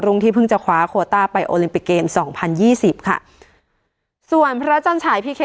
ที่เพิ่งจะคว้าโคต้าไปโอลิมปิกเกมสองพันยี่สิบค่ะส่วนพระจันฉายพีเค